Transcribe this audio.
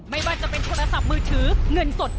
ไม่ว่าจะเป็นโทรศัพท์มือถือเงินสด